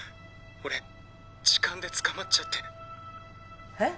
俺痴漢で捕まっちゃって」えっ？